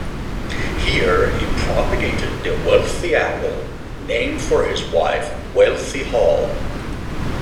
Here he propagated the "Wealthy" apple, named for his wife Wealthy Hull.